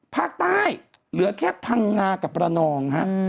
ภาคใต้เหลือแค่พังงากับระนองฮะ